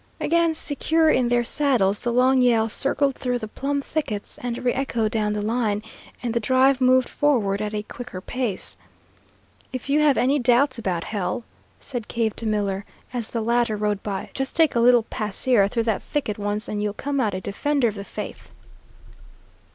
Again secure in their saddles, the long yell circled through the plum thickets and reëchoed down the line, and the drive moved forward at a quicker pace. "If you have any doubts about hell," said Cave to Miller, as the latter rode by, "just take a little pasear through that thicket once and you'll come out a defender of the faith."